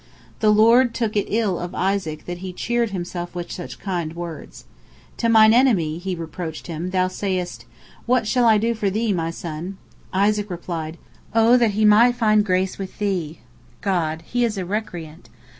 The Lord took it ill of Isaac that he cheered him with such kind words. "To Mine enemy," He reproached him, "thou sayest, 'What shall I do for thee, my son?'" Isaac replied, "O that he might find grace with Thee!" God: "He is a recreant."